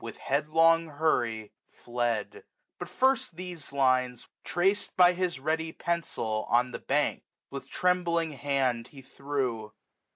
With headlong hurry fled : but first these lines, Trac'd by his ready pencil, on the bank o a loo SUMMER. With trembling hand he threw.